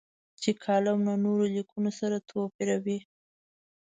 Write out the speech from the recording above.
چې کالم له نورو لیکنو سره توپیروي.